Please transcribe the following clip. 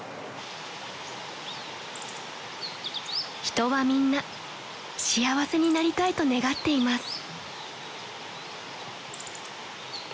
［人はみんな幸せになりたいと願っています］